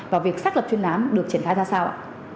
và việc xác lập chuyên án được triển khai ra sao ạ